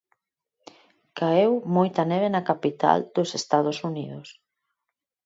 Caeu moita neve na capital dos Estados Unidos.